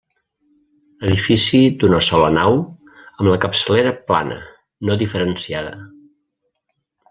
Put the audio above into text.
Edifici d'una sola nau, amb la capçalera plana, no diferenciada.